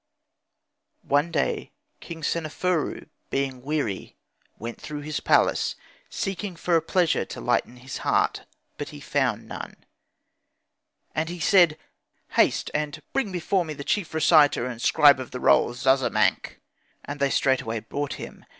One day King Seneferu, being weary, went throughout his palace seeking for a pleasure to lighten his heart, but he found none. And he said, 'Haste, and bring before me the chief reciter and scribe of the rolls Zazamankh'; and they straightway brought him.